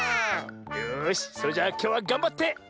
よしそれじゃきょうはがんばってうるぞ！